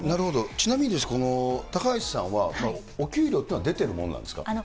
ちなみに高橋さんは、お給料っていうのは出ているものなんですか？